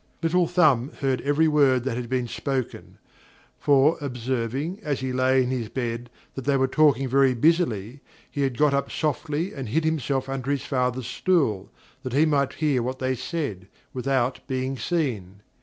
Little Thumb heard every word that had been spoken; for observing, as he lay in his bed, that they were talking very busily, he had got up softly and hid himself under his father's stool, that he might hear what they said, without being seen.